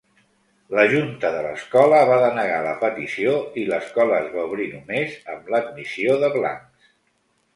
La junta de l'escola va denegar la petició i l'escola es va obrir només amb l'admissió de blancs.